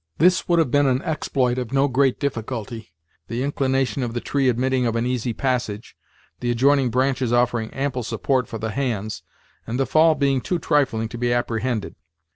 This would have been an exploit of no great difficulty, the inclination of the tree admitting of an easy passage, the adjoining branches offering ample support for the hands, and the fall being too trifling to be apprehended.